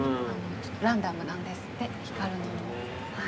ランダムなんですって、光るのも。